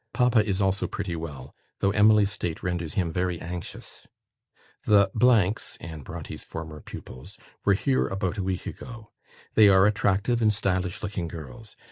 Papa is also pretty well, though Emily's state renders him very anxious. "The s (Anne Brontë's former pupils) were here about a week ago. They are attractive and stylish looking girls.